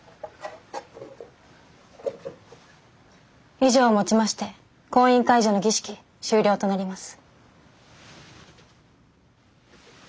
以上をもちまして婚姻解除の儀式終了となります。